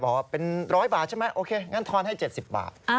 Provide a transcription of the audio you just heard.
บอกว่าเป็นร้อยบาทใช่ไหมโอเคงั้นทอนให้เจ็ดสิบบาท